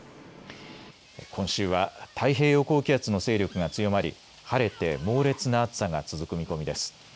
今週は太平洋高気圧の勢力が強まり、晴れて猛烈な暑さが続く見込みです。